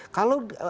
kalau amerika memang